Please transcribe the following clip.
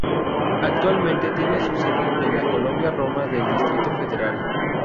Actualmente tiene su sede en la colonia Roma del Distrito Federal.